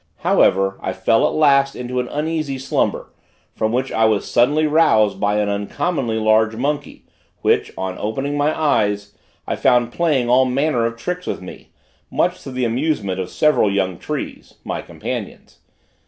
However, I fell, at last, into an uneasy slumber, from which I was suddenly roused by an uncommonly large monkey, which, on opening my eyes, I found playing all manner of tricks with me, much to the amusement of several young trees, my companions.